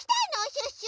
シュッシュ。